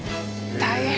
大変！